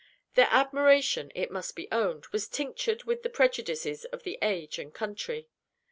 Their admiration, it must be owned, was tinctured with the prejudices of the age and country.